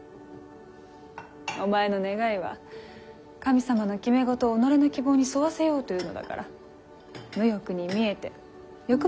お前の願いは神様の決め事を己の希望に沿わせようというのだから無欲に見えて欲張りかもしれません。